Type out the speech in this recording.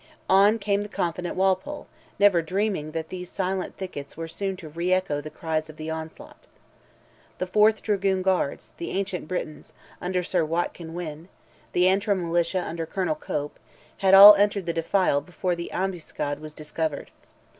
On came the confident Walpole, never dreaming that these silent thickets were so soon to re echo the cries of the onslaught. The 4th dragoon guards, the Ancient Britons, under Sir Watkyn Wynne, the Antrim militia, under Colonel Cope, had all entered the defile before the ambuscade was discovered.